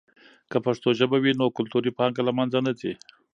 که پښتو ژبه وي، نو کلتوري پانګه له منځه نه ځي.